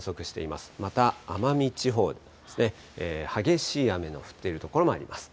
また、奄美地方ですね、激しい雨の降っている所もあります。